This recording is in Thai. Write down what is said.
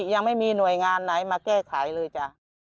ยังไม่มีหน่วยงานไหนมาแก้ไขเลยจ้ะ